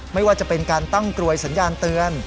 ไม่ว่าจะเป็นการตั้งกลวยสัญญาณเตือน